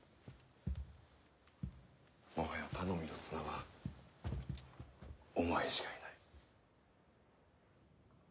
もはや頼みの綱はお前しかいない。